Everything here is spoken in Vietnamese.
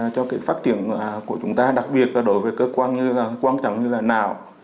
cho cái phát triển của chúng ta đặc biệt là đối với cơ quan như là quan trọng như là nào